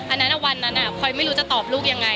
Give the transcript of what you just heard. อันนั้นวันนั้นพลอยไม่รู้จะตอบลูกยังไง